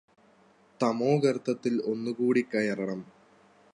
തമോഗര്ത്തത്തില് ഒന്നുകൂടി കയറണം